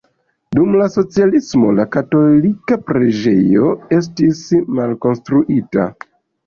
Dum la socialismo la katolika preĝejo estis malkonstruita.